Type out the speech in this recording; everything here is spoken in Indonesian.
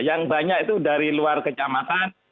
yang banyak itu dari luar kecamatan